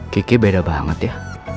kiki beda banget ya